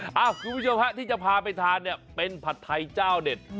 คุณผู้ชมฮะที่จะพาไปทานเนี่ยเป็นผัดไทยเจ้าเด็ด